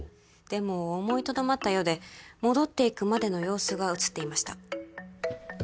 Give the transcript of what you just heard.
でも思いとどまったようで戻っていくまでの様子が写っていました